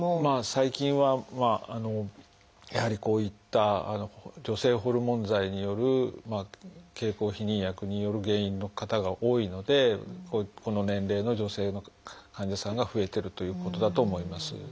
最近はやはりこういった女性ホルモン剤による経口避妊薬による原因の方が多いのでこの年齢の女性の患者さんが増えてるということだと思います。